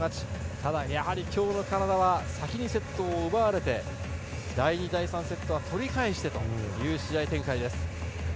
ただ、やはり今日のカナダは先にセットを奪われて第２、第３セットは取り返してという試合展開です。